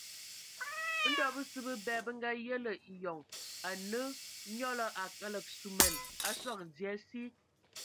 Ndo bəsǝ bəbɛ bə ngayelə eyɔŋ, anə nyɔlɔ a kəlǝg suman a sɔŋ dzie asi.